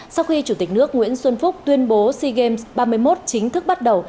sau khi chủ tịch nước nguyễn xuân phúc tuyên bố sea games ba mươi một chính thức bắt đầu